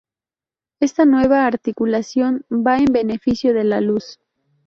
Esta nueva articulación va en beneficio de la luz.